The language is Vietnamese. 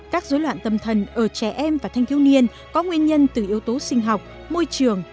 các dối loạn tâm thần ở trẻ em và thanh thiếu niên có nguyên nhân từ yếu tố sinh học môi trường